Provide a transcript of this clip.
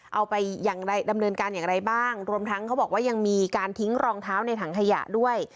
เอาไปอย่างไรดำเนินการอย่างไรบ้างรวมทั้งเขาบอกว่ายังมีการทิ้งรองเท้าในถังขยะด้วย